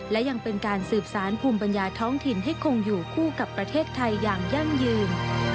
และยังเป็นการสืบสารภูมิปัญญาท้องถิ่นให้คงอยู่คู่กับประเทศไทยอย่างยั่งยืน